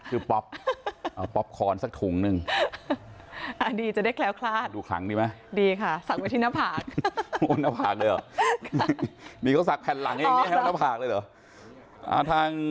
ชื่อป๊อปเอาป๊อปคอร์นซักถุงนึง